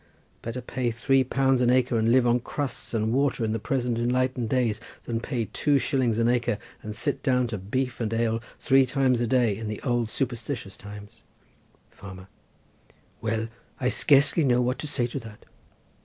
Better pay three pounds an acre and live on crusts and water in the present enlightened days than pay two shillings an acre and sit down to beef and ale three times a day in the old superstitious times. Farmer.—Well, I scarcely know what to say to that.